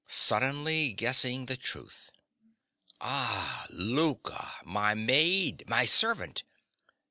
(Suddenly guessing the truth.) Ah, Louka! my maid, my servant!